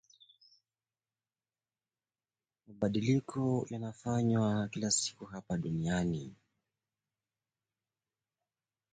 He was assigned to flight-test duty at Wilbur Wright Field after the war.